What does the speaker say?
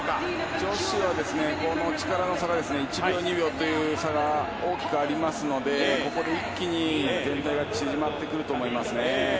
女子は力の差が１秒２秒という差がありますので、ここで一気に全体が縮まってくると思います。